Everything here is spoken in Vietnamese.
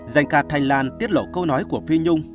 danh ca thanh lan tiết lộ câu nói của phi nhung